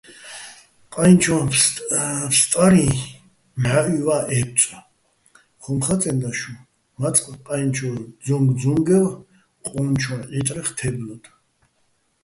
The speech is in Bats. "ყაჲნჩო̆ ფსტარიჼ მჵაჸუჲვა́ ე́ბწო̆," - ხუმ ხაწენდა შუჼ, მაწყ ყაჲნჩო́ ძუნგძუნგევ ყონჩო́ ჺიტრეხ თე́ბლოდო̆.